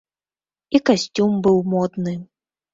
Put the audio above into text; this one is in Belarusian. І касцюм быў модны.